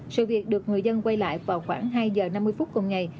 sự việc được người dân quay lại vào khoảng hai giờ năm mươi phút cùng ngày